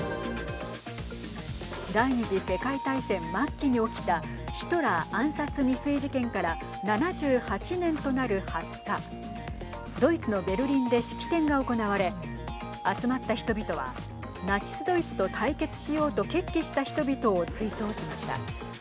第２次世界大戦末期に起きたヒトラー暗殺未遂事件から７８年となる２０日ドイツのベルリンで式典が行われ集まった人々はナチス・ドイツと対決しようと決起した人々を追悼しました。